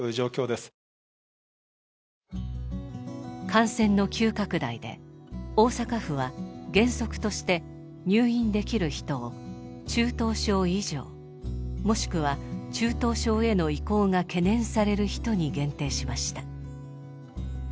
感染の急拡大で大阪府は原則として入院できる人を中等症以上もしくは中等症への移行が懸念される人に限定しました。